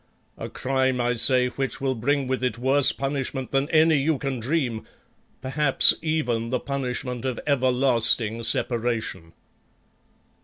A crime, I say, which will bring with it worse punishment than any you can dream; perhaps even the punishment of everlasting separation."